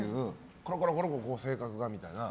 コロコロコロコロ性格がみたいな。